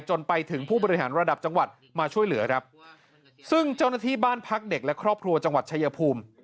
จนไปถึงผู้บริหารระดับจังหวัดมาช่วยเหลือครับซึ่งเจ้าหน้าที่บ้านพักเด็กและครอบครัวจังหวัดชายภูมิ